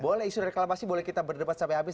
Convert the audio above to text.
boleh isu reklamasi boleh kita berdebat sampai habis